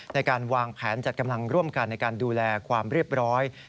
ในการวางแผนจัดกำลังร่วมกันในการดูแลความเรียบร้อย